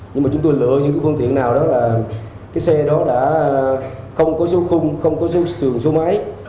nhưng mà chúng tôi lựa những phương tiện nào đó là cái xe đó đã không có số khung không có sườn số máy